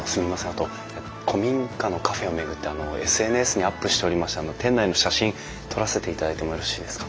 あと古民家のカフェを巡ってＳＮＳにアップしておりまして店内の写真撮らせていただいてもよろしいですか？